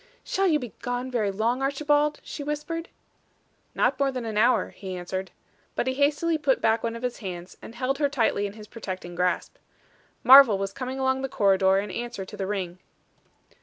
"Shall you be gone very long, Archibald?" she whispered. "Not more than an hour," he answered. But he hastily put back one of his hands, and held her tightly in his protecting grasp. Marvel was coming along the corridor in answer to the ring.